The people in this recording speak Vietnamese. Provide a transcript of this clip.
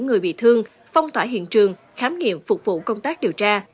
người bị thương phong tỏa hiện trường khám nghiệm phục vụ công tác điều tra